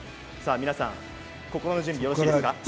心の準備よろしいですか。